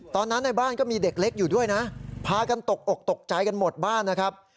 ในบ้านก็มีเด็กเล็กอยู่ด้วยนะพากันตกอกตกใจกันหมดบ้านนะครับ